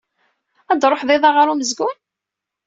Ad truḥeḍ iḍ-a ɣer umezgun?